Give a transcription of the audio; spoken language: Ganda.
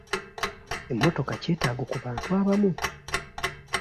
Emmotoka kyetaago ku bantu abamu.